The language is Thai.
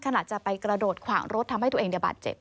ขณะจะไปกระโดดขวางรถทำให้ตัวเองบาดเจ็บ